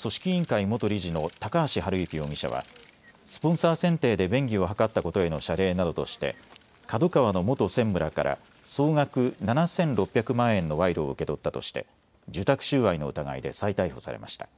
組織委員会元理事の高橋治之容疑者はスポンサー選定で便宜を図ったことへの謝礼などとしてＫＡＤＯＫＡＷＡの元専務らから総額７６００万円の賄賂を受け取ったとして受託収賄の疑いで再逮捕されました。